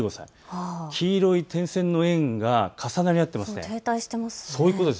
黄色い点線の円が重なり合っています。